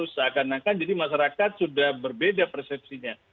seakan akan jadi masyarakat sudah berbeda persepsinya